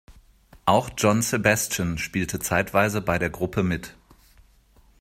Auch John Sebastian spielte zeitweise bei der Gruppe mit.